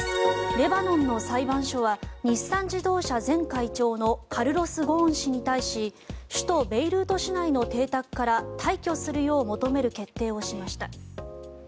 レバノンの裁判所は日産自動車前会長のカルロス・ゴーン氏に対し首都ベイルート市内の邸宅から退去するよう求める決定をしました。